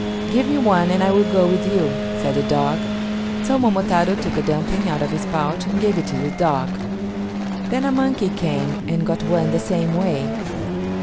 "Give me one and I will go with you," said the dog. So Momotaro took a dumpling out of his pouch and gave it to the dog. Then a monkey came and got one the same way.